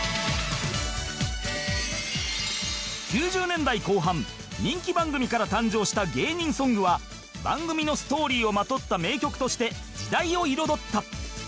９０年代後半人気番組から誕生した芸人ソングは番組のストーリーをまとった名曲として時代を彩った